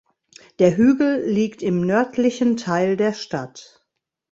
Der Hügel liegt im nördlichen Teil der Stadt.